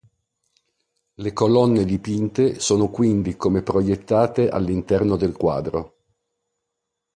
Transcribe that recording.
Le colonne dipinte sono quindi come proiettate all'interno del quadro.